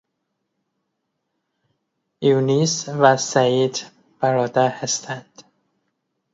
یونس و سعید برادر هستند.